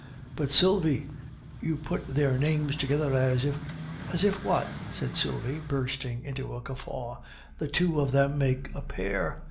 "But, Sylvie, you put their names together as if " "As if what?" said Sylvie, bursting into a guffaw. "The two of them make a pair."